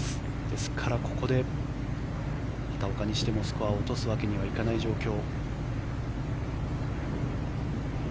ですから、ここで畑岡にしてもスコアを落とすわけにはいかない状況。